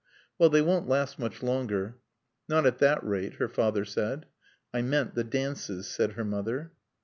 "Well, they won't last much longer." "Not at that rate," her father said. "I meant the dances," said her mother.